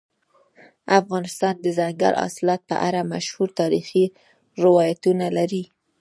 افغانستان د دځنګل حاصلات په اړه مشهور تاریخی روایتونه لري.